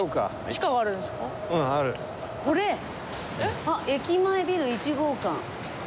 これ駅前ビル１号館。